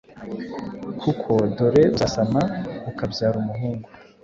kuko dore, uzasama, ukabyara umuhungu,